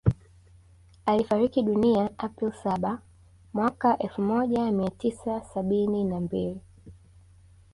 Alifariki dunia April saba mwaka elfu moja mia tisa sabini na mbili